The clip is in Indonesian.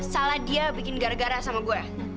salah dia bikin gara gara sama gue